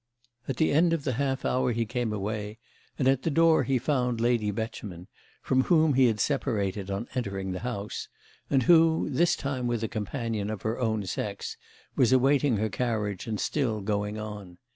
At the end of the half hour he came away, and at the door he found Lady Beauchemin, from whom he had separated on entering the house and who, this time with a companion of her own sex, was awaiting her carriage and still "going on."